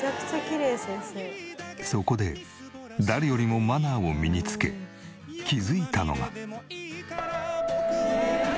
そこで誰よりもマナーを身につけ気づいたのが。